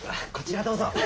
こちらどうぞ。